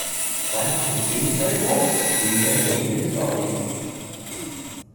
Frank consumes their blood, regenerating his body.